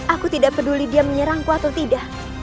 aku tidak peduli dia menyerangku atau tidak